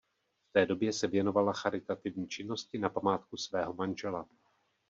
V té době se věnovala charitativní činnosti na památku svého manžela.